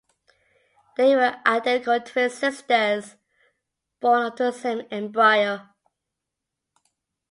They were identical twin sisters, born of the same embryo.